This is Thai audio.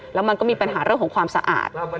แล้วมันก็มีปัญหาเรื่องของความสะอาด